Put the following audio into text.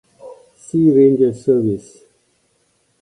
Sea Ranger Service